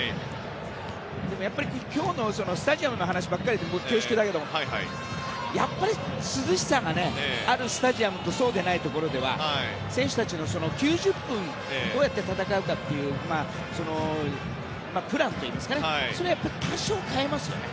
でも、今日のスタジアムの話ばかりで恐縮だけどやっぱり涼しさがあるスタジアムとそうでないところでは選手たちの９０分、どうやって戦うかというプランといいますかそれは多少変えますよね。